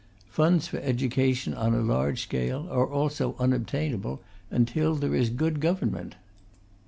Funds for education on a large scale are also unobtainable until there is good government.